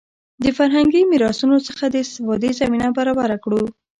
د فرهنګي میراثونو څخه د استفادې زمینه برابره کړو.